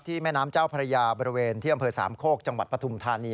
แม่น้ำเจ้าพระยาบริเวณที่อำเภอสามโคกจังหวัดปฐุมธานี